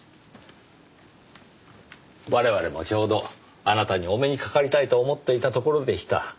我々もちょうどあなたにお目にかかりたいと思っていたところでした。